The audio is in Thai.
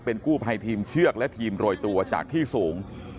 เป็นกู้ภัยทีมเชือกและทีมโรยตัวจากที่สูง